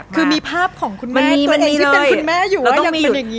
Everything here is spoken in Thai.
คือมีภาพของคุณแม่ตัวเองที่เป็นคุณแม่อยู่ว่ายังเป็นอย่างนี้